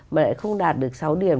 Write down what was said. mà lại không đạt được sáu điểm